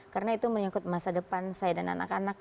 karena itu menyangkut masa depan saya dan anak anak